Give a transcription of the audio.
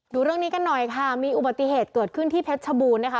ดูเรื่องนี้กันหน่อยค่ะมีอุบัติเหตุเกิดขึ้นที่เพชรชบูรณ์นะคะ